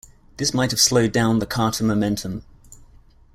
This might have slowed down the Carter momentum.